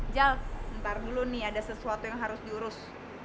jal ntar dulu nih ada sesuatu yang harus diurus